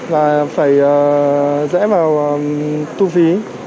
và phải dễ vào thu phí